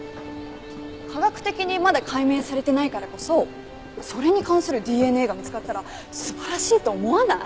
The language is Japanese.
科学的にまだ解明されてないからこそそれに関するＤＮＡが見つかったら素晴らしいと思わない？